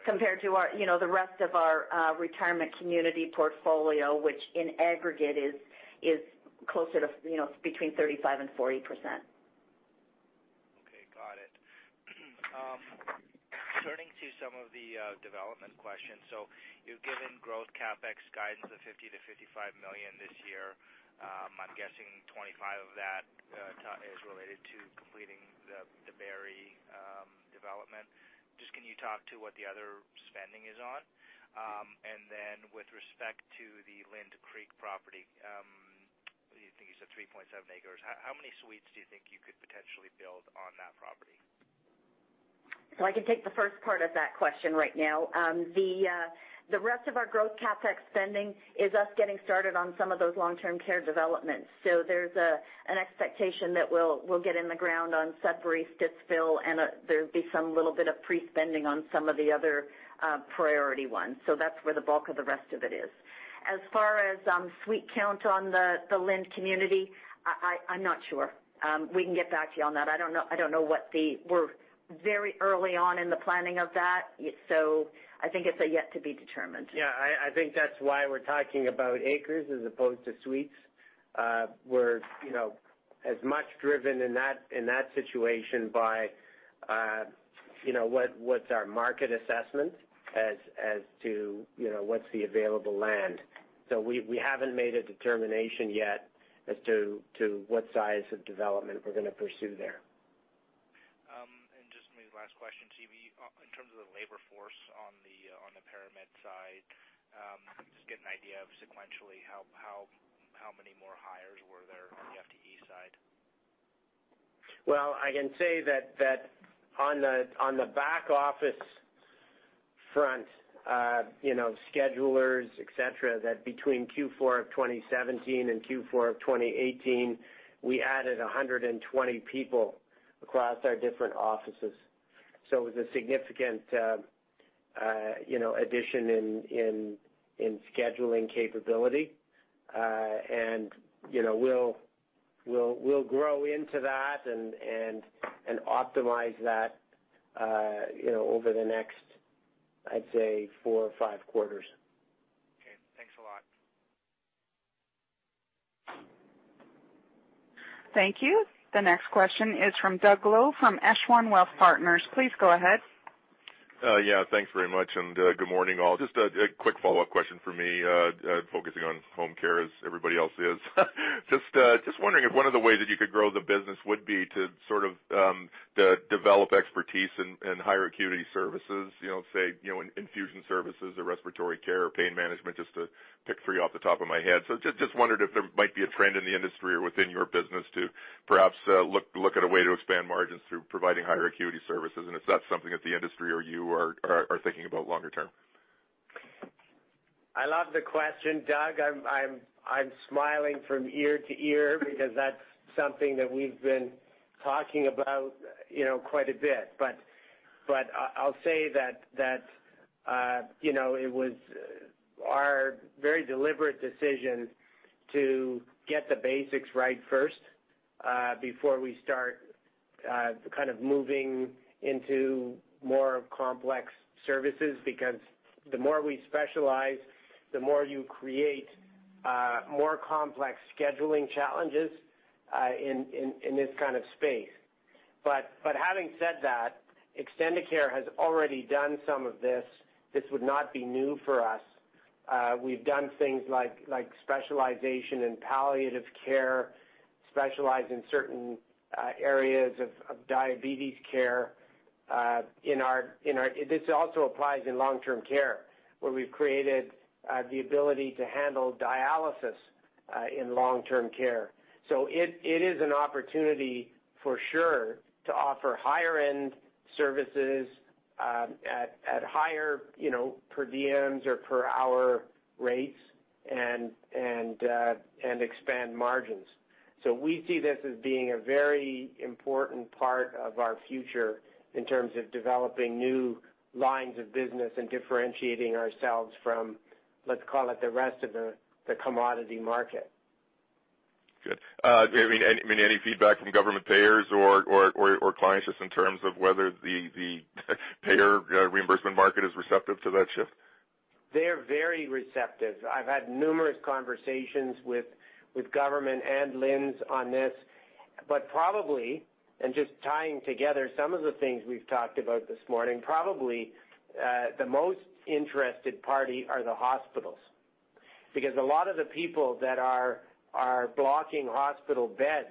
Okay. Great. Compared to the rest of our retirement community portfolio, which in aggregate is closer to between 35% and 40%. Okay. Got it. Turning to some of the development questions. You've given growth CapEx guidance of 50 million-55 million this year. I'm guessing 25 of that is related to completing the Barrie development. Just can you talk to what the other spending is on? With respect to the Lynde Creek property, I think you said 3.7 acres, how many suites do you think you could potentially build on that property? I can take the first part of that question right now. The rest of our growth CapEx spending is us getting started on some of those long-term care developments. There's an expectation that we'll get in the ground on Sudbury, Stittsville, and there'll be some little bit of pre-spending on some of the other priority ones. That's where the bulk of the rest of it is. As far as suite count on the Lynde community, I'm not sure. We can get back to you on that. We're very early on in the planning of that. I think it's yet to be determined. I think that's why we're talking about acres as opposed to suites. We're as much driven in that situation by what's our market assessment as to what's the available land. We haven't made a determination yet as to what size of development we're going to pursue there. Just maybe last question to you, in terms of the labor force on the ParaMed side, just get an idea of sequentially, how many more hires were there on the FTE side? I can say that on the back office front, schedulers, et cetera, that between Q4 of 2017 and Q4 of 2018, we added 120 people across our different offices. It was a significant addition in scheduling capability. We'll grow into that and optimize that over the next, I'd say, four or five quarters. Okay. Thanks a lot. Thank you. The next question is from Douglas Loe from Echelon Wealth Partners. Please go ahead. Yeah. Thanks very much, good morning, all. Just a quick follow-up question from me, focusing on home care as everybody else is. Just wondering if one of the ways that you could grow the business would be to sort of develop expertise in higher acuity services, say, infusion services or respiratory care or pain management, just to pick three off the top of my head. Just wondered if there might be a trend in the industry or within your business to perhaps look at a way to expand margins through providing higher acuity services, and if that's something that the industry or you are thinking about longer term. I love the question, Doug. I'm smiling from ear to ear because that's something that we've been talking about quite a bit. I'll say that it was our very deliberate decision to get the basics right first, before we start kind of moving into more complex services, because the more we specialize, the more you create more complex scheduling challenges in this kind of space. Having said that, Extendicare has already done some of this. This would not be new for us. We've done things like specialization in palliative care, specialized in certain areas of diabetes care. This also applies in long-term care, where we've created the ability to handle dialysis in long-term care. It is an opportunity, for sure, to offer higher-end services at higher per diems or per hour rates and expand margins. We see this as being a very important part of our future in terms of developing new lines of business and differentiating ourselves from, let's call it, the rest of the commodity market. Good. Any feedback from government payers or clients just in terms of whether the payer reimbursement market is receptive to that shift? They're very receptive. I've had numerous conversations with government and LHINs on this. Probably, and just tying together some of the things we've talked about this morning, probably, the most interested party are the hospitals. A lot of the people that are blocking hospital beds,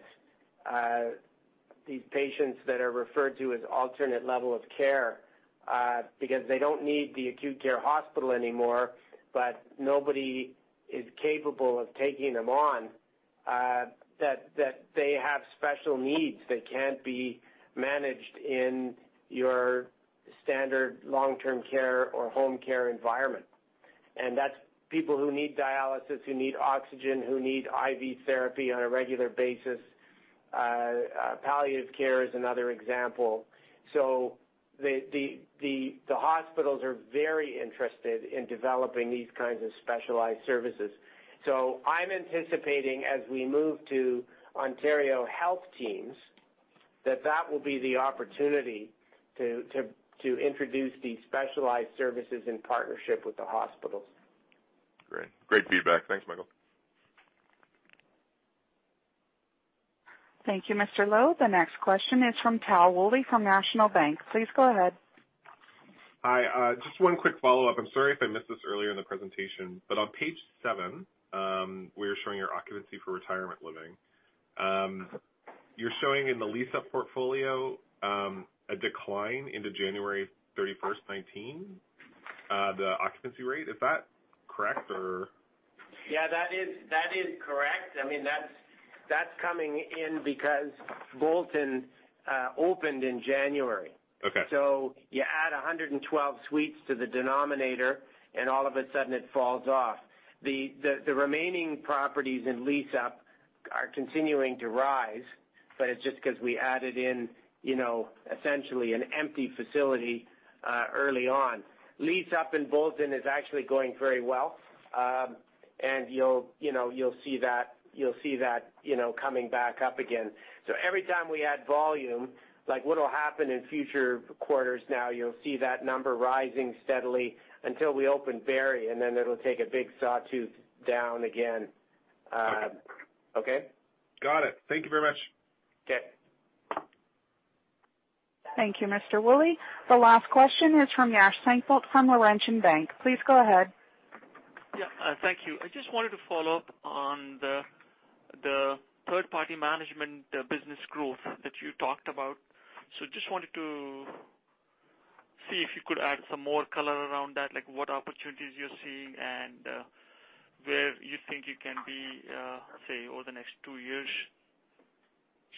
these patients that are referred to as alternate level of care, because they don't need the acute care hospital anymore, but nobody is capable of taking them on. That they have special needs that can't be managed in your standard long-term care or home care environment. That's people who need dialysis, who need oxygen, who need IV therapy on a regular basis. Palliative care is another example. The hospitals are very interested in developing these kinds of specialized services. I'm anticipating as we move to Ontario Health Teams, that that will be the opportunity to introduce these specialized services in partnership with the hospitals. Great. Great feedback. Thanks, Michael. Thank you, Mr. Loe. The next question is from Tal Woolley from National Bank. Please go ahead. Hi. Just one quick follow-up. I'm sorry if I missed this earlier in the presentation, but on page seven, where you're showing your occupancy for retirement living. You're showing in the lease-up portfolio, a decline into January 31st, 2019, the occupancy rate. Is that correct or? Yeah, that is correct. That's coming in because Bolton opened in January. Okay. You add 112 suites to the denominator, and all of a sudden it falls off. The remaining properties in lease-up are continuing to rise, it's just because we added in essentially an empty facility early on. Lease up in Bolton is actually going very well. You'll see that coming back up again. Every time we add volume, like what'll happen in future quarters now, you'll see that number rising steadily until we open Barrie, then it'll take a big sawtooth down again. Okay. Okay? Got it. Thank you very much. Okay. Thank you, Mr. Woolley. The last question is from Yash Sankhe from Laurentian Bank. Please go ahead. Yeah. Thank you. I just wanted to follow up on the third-party management business growth that you talked about. Just wanted to see if you could add some more color around that, like what opportunities you're seeing and, where you think you can be, say, over the next two years?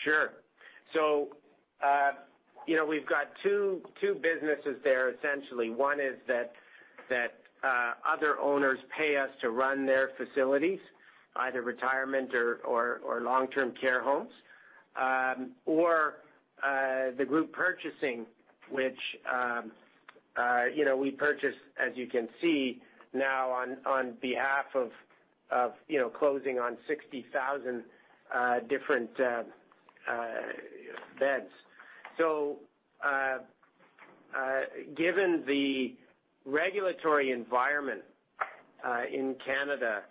Sure. We've got two businesses there, essentially. One is that other owners pay us to run their facilities, either retirement or long-term care homes, or, the group purchasing, which we purchase, as you can see, now on behalf of closing on 60,000 different beds. Given the regulatory environment in Canada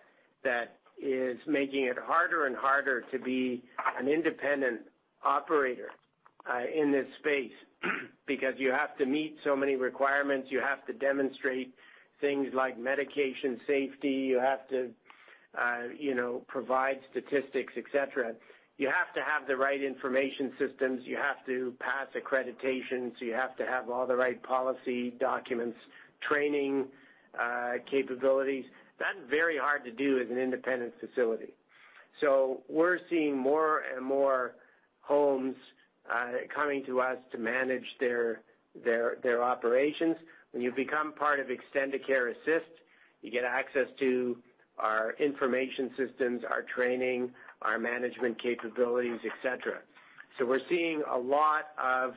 that is making it harder and harder to be an independent operator in this space because you have to meet so many requirements. You have to demonstrate things like medication safety. You have to provide statistics, et cetera. You have to have the right information systems. You have to pass accreditation. You have to have all the right policy documents, training capabilities. That's very hard to do as an independent facility. We're seeing more and more homes coming to us to manage their operations. When you become part of Extendicare Assist, you get access to our information systems, our training, our management capabilities, et cetera. We're seeing a lot of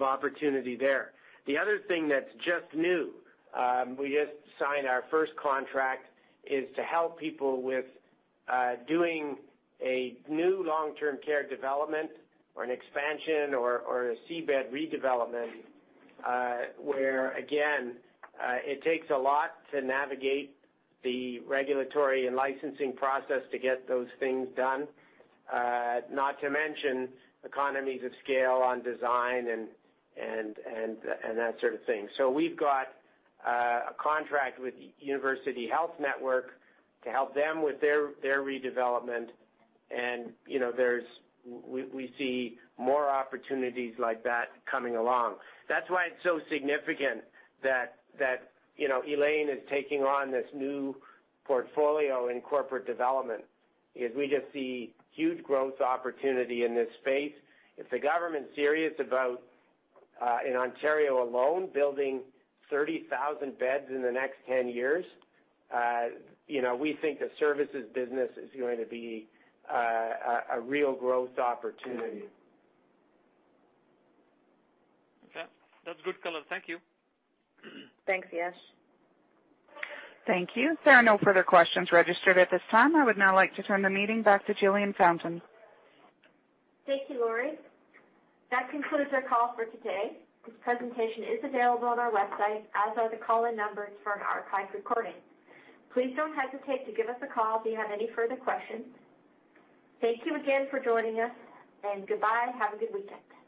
opportunity there. The other thing that's just new, we just signed our first contract, is to help people with doing a new long-term care development or an expansion or a C bed redevelopment, where again, it takes a lot to navigate the regulatory and licensing process to get those things done, not to mention economies of scale on design and that sort of thing. We've got a contract with University Health Network to help them with their redevelopment and we see more opportunities like that coming along. That's why it's so significant that Elaine is taking on this new portfolio in corporate development, is we just see huge growth opportunity in this space. If the government's serious about, in Ontario alone, building 30,000 beds in the next 10 years, we think the services business is going to be a real growth opportunity. Okay. That's good color. Thank you. Thanks, Yash. Thank you. There are no further questions registered at this time. I would now like to turn the meeting back to Jillian Fountain. Thank you, Lorie. That concludes our call for today. This presentation is available on our website, as are the call-in numbers for an archived recording. Please don't hesitate to give us a call if you have any further questions. Thank you again for joining us, and goodbye. Have a good weekend.